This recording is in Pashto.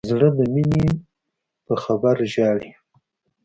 زړه د مینې په خبر ژاړي.